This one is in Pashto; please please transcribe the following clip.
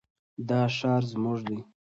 دا ښار زموږ دی.